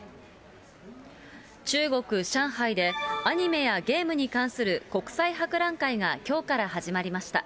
中国・上海で、アニメやゲームに関する国際博覧会がきょうから始まりました。